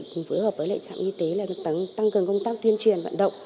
cùng phối hợp với trạm y tế tăng cường công tác tuyên truyền vận động